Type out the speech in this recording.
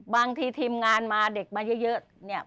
บางทีทีมงานมาเด็กมาเยอะ